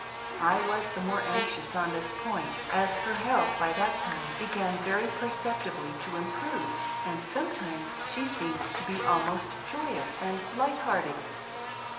I was the more anxious on this point as her health iiad by that time began very perceptibly to improve, and sometimes she seemed to be almost joyous and light hearted.